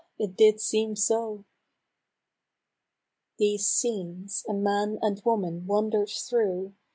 it did seem so ! These scenes a man and woman wander'd through.